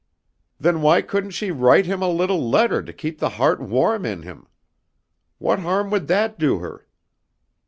Then why couldn't she write him a little letter to keep the heart warm in him. What harm would that do her.